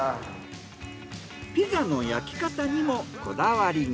ピザの焼き方にもこだわりが。